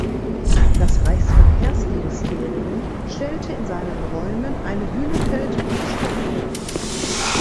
Das Reichsverkehrsministerium stellte in seinen Räumen eine Hünefeld-Büste auf.